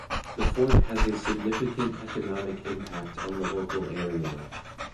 The fort has a significant economic impact on the local area.